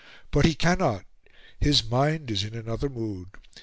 But he cannot, his mind is in another mood.